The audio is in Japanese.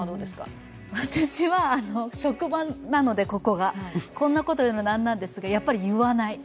私はここが職場なので、こんなこというのも何なんですがやっぱり言わない。